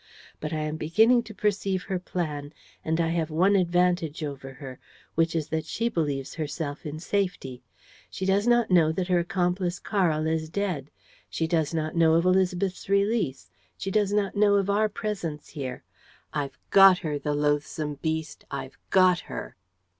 But I am beginning to perceive her plan and I have one advantage over her, which is that she believes herself in safety. She does not know that her accomplice, Karl, is dead. She does not know of Élisabeth's release. She does not know of our presence here. I've got her, the loathsome beast, I've got her."